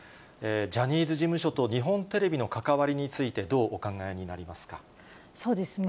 ジャニーズ事務所と日本テレビの関わりについてどうお考えになりそうですね。